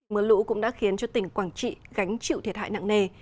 mưa lũ cũng đã khiến cho tỉnh quảng trị gánh chịu thiệt hại nặng nề